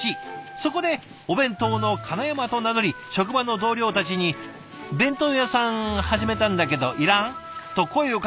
そこで「お弁当のかなやま」と名乗り職場の同僚たちに「弁当屋さん始めたんだけどいらん？」と声をかけて回ったんだとか。